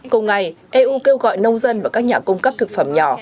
cùng ngày eu kêu gọi nông dân và các nhà cung cấp thực phẩm nhỏ